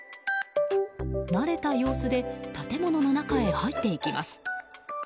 慣れた様子で建物の中へ入っていきます。